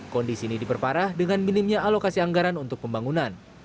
kondisi ini diperparah dengan minimnya alokasi anggaran untuk pembangunan